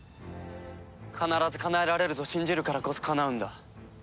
必ずかなえられると信じるからこそかなうんだ。